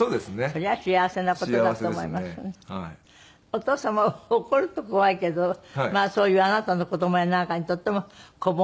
お父様は怒ると怖いけどそういうあなたの子供やなんかにとっても子煩悩で。